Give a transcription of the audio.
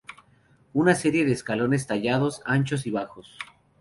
Una serie de escalones tallados, anchos y bajos.